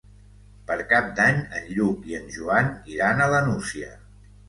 Per Cap d'Any en Lluc i en Joan iran a la Nucia.